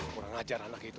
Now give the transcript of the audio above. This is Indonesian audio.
kurang ajar anak itu